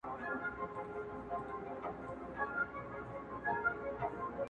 نه په ژوند کي به په موړ سې نه به وتړې بارونه؛